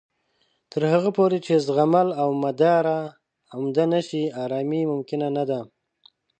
تر هغه پورې چې زغمل او مدارا عمده نه شي، ارامۍ ممکنه نه ده